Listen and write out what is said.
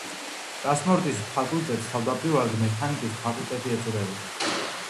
ტრანსპორტის ფაკულტეტს თავდაპირველად მექანიკის ფაკულტეტი ეწოდებოდა.